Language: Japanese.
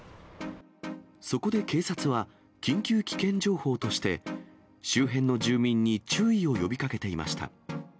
そこで警察は、緊急危険情報として、周辺の住民に注意を呼びかけていました。